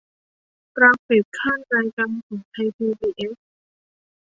กราฟิกคั่นรายการของไทยพีบีเอส